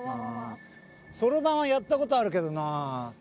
そろばんはやったことあるけどな。